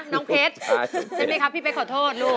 น้องเพชรใช่ไหมครับพี่เป๊กขอโทษลูก